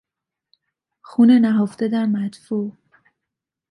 خون نهفته در مدفوع